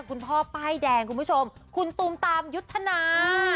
คุณพ่อป้ายแดงคุณผู้ชมคุณตูมตามยุทธนา